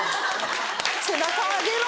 背中上げろ！